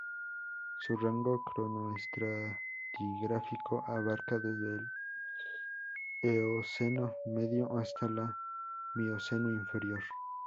Su rango cronoestratigráfico abarca desde el Eoceno medio hasta la Mioceno inferior.